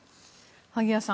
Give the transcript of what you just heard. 萩谷さん